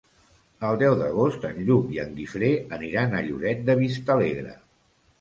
El deu d'agost en Lluc i en Guifré aniran a Lloret de Vistalegre.